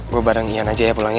gue bareng ian aja ya pulang ya